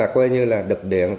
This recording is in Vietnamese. coi như là đực điện